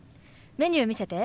メニュー見せて。